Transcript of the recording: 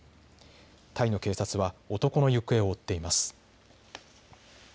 タイの警察は男の行方を追っています。